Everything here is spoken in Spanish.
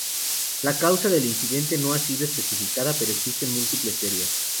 La causa del incidente no ha sido especificada, pero existen múltiples teorías.